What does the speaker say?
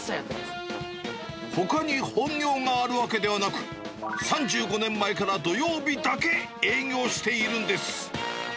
ほかに本業があるわけではなく、３５年前から土曜日だけ営業しているんです。